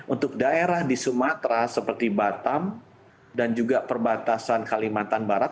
untuk daerah di sumatera seperti batam dan juga perbatasan kalimantan barat